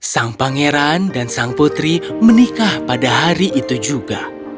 sang pangeran dan sang putri menikah pada hari itu juga